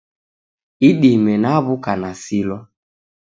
Idime naw'uka nasilwa.